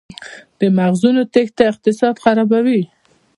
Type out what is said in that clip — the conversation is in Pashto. د مغزونو تیښته اقتصاد خرابوي؟